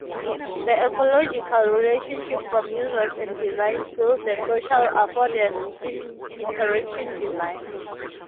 The ecological relationships from users and designs build the social affordance in interaction design.